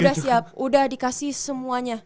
udah siap udah dikasih semuanya